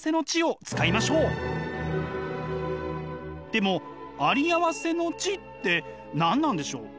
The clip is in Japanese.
でもあり合わせの知って何なんでしょう？